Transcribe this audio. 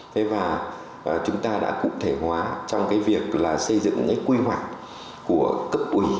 thế và chúng ta đã cụ thể hóa trong việc xây dựng những quy hoạch của cấp ủy